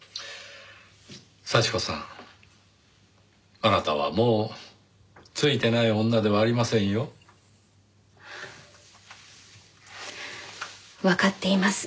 幸子さんあなたはもう「ついてない女」ではありませんよ。わかっています。